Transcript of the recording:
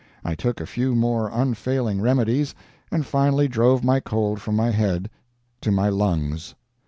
I took a few more unfailing remedies, and finally drove my cold from my head to my lungs.